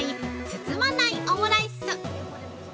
包まないオムライス！